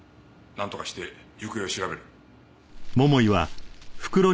なんとかして行方を調べる。